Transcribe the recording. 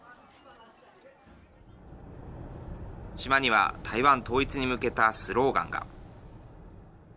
島には台湾統一に向けたスローガンが。